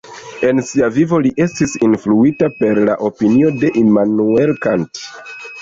En sia vivo li estis influita per la opinio de Immanuel Kant.